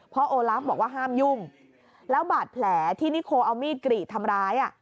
โอลาฟบอกว่าห้ามยุ่งแล้วบาดแผลที่นิโคเอามีดกรีดทำร้าย